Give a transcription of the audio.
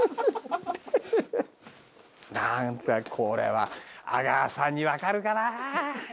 なんかこれは阿川さんにわかるかな？